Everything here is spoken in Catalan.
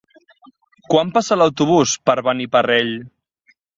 Quan passa l'autobús per Beniparrell?